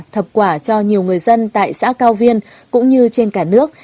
thập quả cho nhiều người dân tại xã cao viên cũng như trên cả nước